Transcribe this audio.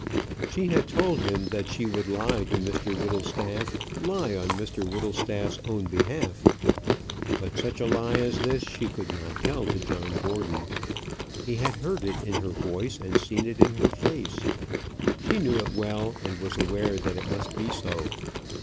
She had told him that she would lie to Mr Whittlestaff, lie on Mr Whittlestaff's own behalf. But such a lie as this she could not tell to John Gordon. He had heard it in her voice and seen it in her face. She knew it well, and was aware that it must be so.